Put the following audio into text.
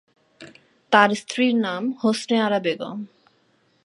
তার স্ত্রীর নাম হোসনে আরা বেগম।